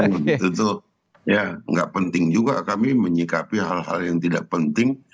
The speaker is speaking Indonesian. tentu ya nggak penting juga kami menyikapi hal hal yang tidak penting